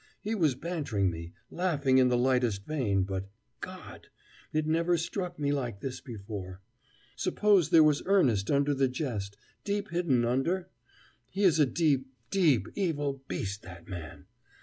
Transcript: He was bantering me, laughing in the lightest vein, but God! it never struck me like this before! Suppose there was earnest under the jest, deep hidden under? He is a deep, deep, evil beast, that man.